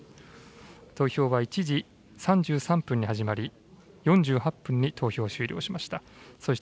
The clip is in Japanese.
投票は１時３３分に始まり、４８分に投票終了しました。